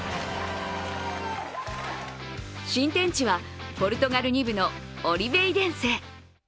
新天地は、ポルトガル２部のオリヴェイレンセ。